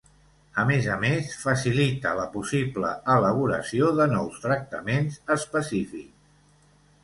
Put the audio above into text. A més a més, facilita la possible elaboració de nous tractaments específics.